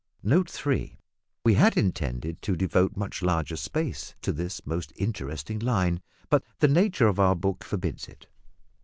Note 3. We had intended to devote much larger space to this most interesting line, but the nature of our book forbids it.